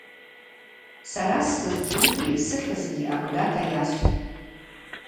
Сара сызчӏвугьи сыхьызгьи абгата йасхӏвтӏ.